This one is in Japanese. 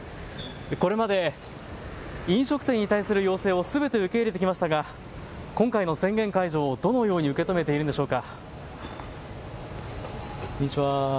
これまで飲食店に対する要請をすべて受け入れてきましたが今回の宣言解除をどのように受け止めているんでしょうか。